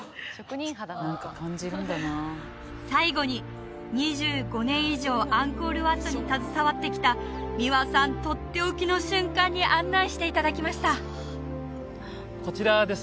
最後に２５年以上アンコール・ワットに携わってきた三輪さんとっておきの瞬間に案内していただきましたこちらです